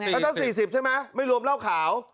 ก็ตั้ง๔๐ใช่ไหมไม่รวมเหล้าขาว